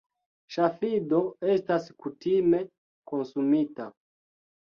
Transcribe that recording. Ŝafido estas kutime konsumita.